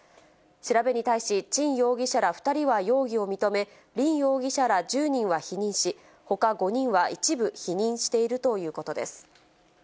調べに対し、陳容疑者ら２人は容疑を認め、林容疑者ら１０人は否認し、ほか５人は一部否認しているということです。